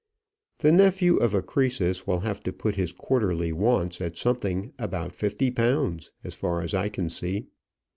"The nephew of a Croesus will have to put his quarterly wants at something about fifty pounds, as far as I can see."